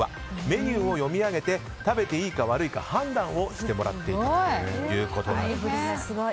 メニューを読み上げて食べていいか悪いか判断をしてもらっていたということです。